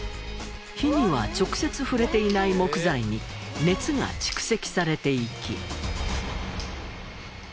火には直接触れていない木材に熱が蓄積されていき。